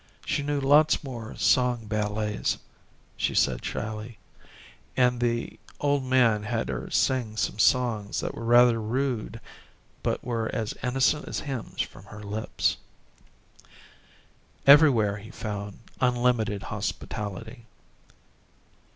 She knew lots more "song ballets," she said shyly, and the old man had her sing some songs that were rather rude, but were as innocent as hymns from her lips. Everywhere he found unlimited hospitality.